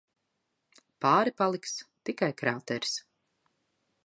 Pāri paliks tikai krāteris.